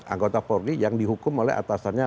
anggota polri yang dihukum oleh atasannya